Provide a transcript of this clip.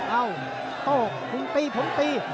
เอ้าโต้คุณตีผมตี